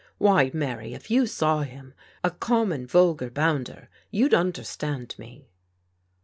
"Why, Mary, if you saw him — a common, vulgar bounder, you'd understand me